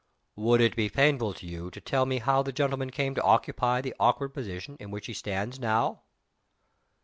"Would it be painful to you to tell me how the gentleman came to occupy the awkward position in which he stands now?"